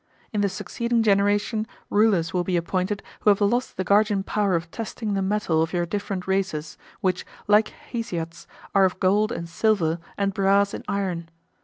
In the succeeding generation rulers will be appointed who have lost the guardian power of testing the metal of your different races, which, like Hesiod's, are of gold and silver and brass and iron.